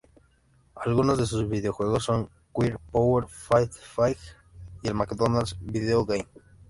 Algunos de sus videojuegos son "Queer Power", "Faith Fighter" y el McDonald's Video Game.